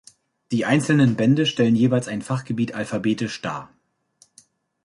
Die einzelnen Bände stellen jeweils ein Fachgebiet alphabetisch dar.